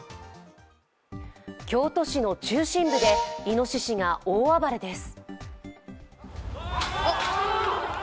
京都市の中心部でいのししが大暴れです。